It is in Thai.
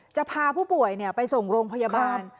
จะพาผู้ป่วยไปส่งโรงพยาบาล